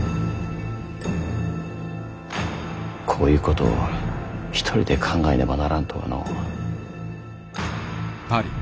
こういうことを一人で考えねばならぬとはのう。